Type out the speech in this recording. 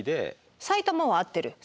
埼玉は合ってる。